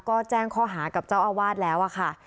ก็แจ้งข้อหากับเจ้าอาวาสแล้วค่ะ